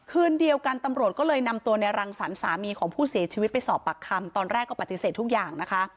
คืนเดียวกันตำรวจก็เลยนำตัวในรังสรรค์สามีของผู้เสียชีวิตไปสอบปากคำตอนแรกก็ปฏิเสธทุกอย่างนะคะ